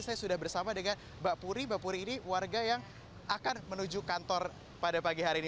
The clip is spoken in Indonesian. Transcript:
saya sudah bersama dengan mbak puri mbak puri ini warga yang akan menuju kantor pada pagi hari ini